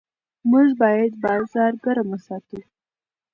موږ باید بازار ګرم وساتو.